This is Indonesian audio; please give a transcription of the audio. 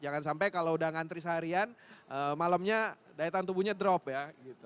jangan sampai kalau udah ngantri seharian malamnya daya tahan tubuhnya drop ya